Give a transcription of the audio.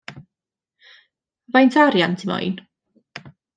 Faint o arian ti moyn?